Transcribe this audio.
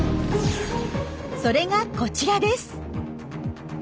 それがこちらです。